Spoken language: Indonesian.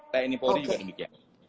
tni polri juga demikian